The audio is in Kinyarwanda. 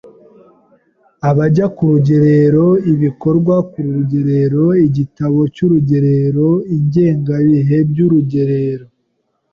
abajya ku rugerero, ibikorwa ku rugerero, igitabocy’urugerero, ingengabihe y’urugerero,